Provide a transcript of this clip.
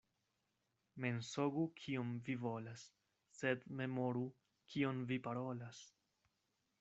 Mensogu kiom vi volas, sed memoru kion vi parolas.